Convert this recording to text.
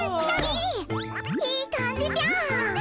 いい感じぴょん。